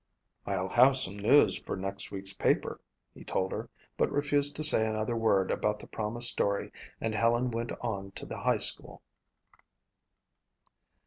"I'll have some news for next week's paper," he told her, but refused to say another word about the promised story and Helen went on to the high school.